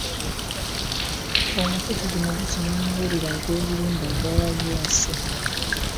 Omukutu guno gusoma amawulire ag'obulimba agawabya ensi.